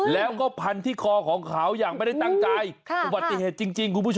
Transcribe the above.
แล้วก็พันที่คอของเขาอย่างไม่ได้ตั้งใจคุณผู้ชมปฏิเหตุจริง